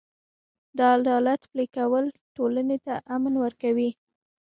د عدالت پلي کول ټولنې ته امن ورکوي.